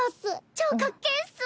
超かっけぇっス。